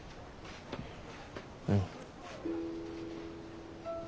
うん。